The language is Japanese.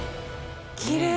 きれい！